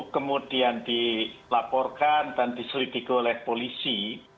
kemudian dilaporkan dan diselidiki oleh polisi